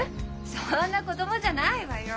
そんな子供じゃないわよ。